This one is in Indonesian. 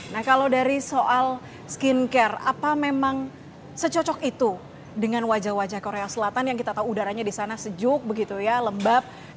nah kalau dari soal skincare apa memang secocok itu dengan wajah wajah korea selatan yang kita tahu udaranya di sana sejuk begitu ya lembab